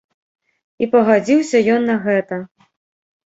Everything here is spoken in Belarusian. І пагадзіўся ён на гэта.